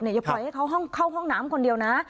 อย่าปล่อยให้เขาเข้าห้องน้ำคนเดียวนะ